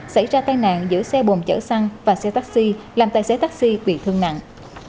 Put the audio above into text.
xảy ra tai nạn giữa xe bồn chở xăng và xe taxi làm tài xế taxi bị thương nặng